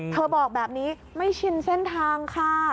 บอกแบบนี้ไม่ชินเส้นทางค่ะ